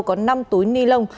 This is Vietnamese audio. có năm túi ni lông